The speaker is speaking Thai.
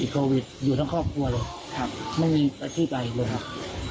โควิดอยู่ทั้งครอบครัวเลยครับไม่มีอาชีพใดเลยครับ